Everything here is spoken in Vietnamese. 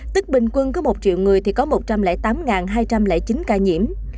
tức bình quân có một triệu người thì có một trăm linh tám hai trăm linh chín ca nhiễm